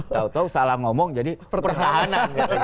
tau tau salah ngomong jadi pertahanan